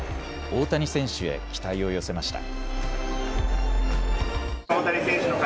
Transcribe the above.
大谷選手へ期待を寄せました。